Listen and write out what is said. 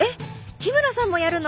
日村さんもやるの！？